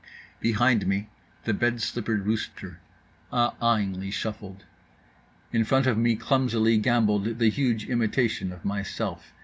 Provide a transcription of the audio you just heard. Behind me the bedslippered rooster uhahingly shuffled. In front of me clumsily gamboled the huge imitation of myself.